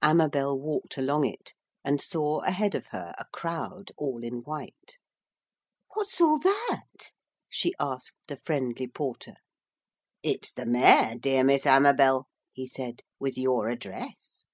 Amabel walked along it and saw ahead of her a crowd, all in white. 'What's all that?' she asked the friendly porter. 'It's the Mayor, dear Miss Amabel,' he said, 'with your address.'